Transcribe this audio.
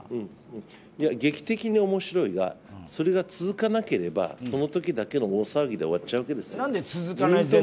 劇的に面白いはそれが続かなければそのときだけの大騒ぎで終わっちゃうわけですよ。